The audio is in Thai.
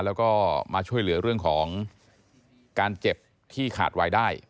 แล้วก็มาช่วยเหลือเรื่องของการเจ็บที่ขาดวายได้